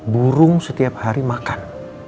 burung setiap hari makan